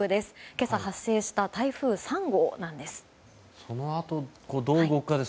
今朝発生した台風３号なんです。